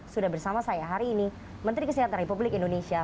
sudah bersama saya hari ini menteri kesehatan republik indonesia